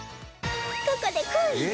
ここでクイズ